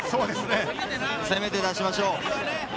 せめて出しましょう。